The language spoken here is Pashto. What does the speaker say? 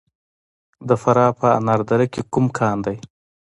د فراه په انار دره کې کوم کان دی؟